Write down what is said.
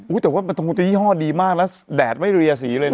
อุ้ยแต่ว่ามันต้องเป็นยี่ห้อดีมากนะแดดไม่เรียสีเลยนะ